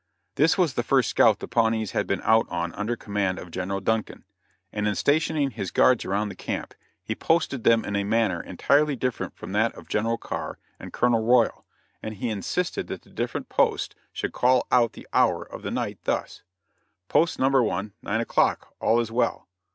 This was the first scout the Pawnees had been out on under command of General Duncan, and in stationing his guards around the camp he posted them in a manner entirely different from that of General Carr and Colonel Royal, and he insisted that the different posts should call out the hour of the night thus: "Post No. 1, nine o'clock, all is well!